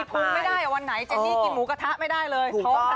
คือมีภูมิไม่ได้ไหนเจนนี่กินหมูกระทะไม่ได้เลย